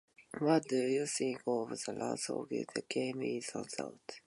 What do you think of the last Olympic games in Sochi?